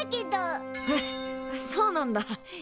あっそうなんだ。